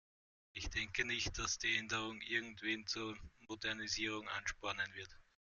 Ich denke nicht, dass die Änderung irgendwen zur Modernisierung anspornen wird.